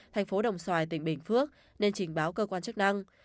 thành phố đồng xoài tỉnh bình phước nên trình báo cơ quan chức năng